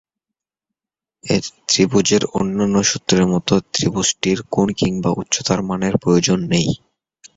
ত্রিভুজের অন্যান্য সূত্রের মত, ত্রিভুজটির কোণ কিংবা উচ্চতার মানের প্রয়োজন নেই।